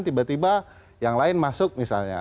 tiba tiba yang lain masuk misalnya